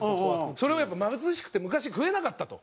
それがやっぱり貧しくて昔食えなかったと。